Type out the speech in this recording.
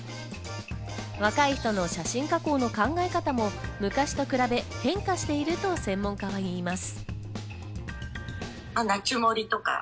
若い人の写真加工の考え方も昔と比べ変化していると専門家はいいます。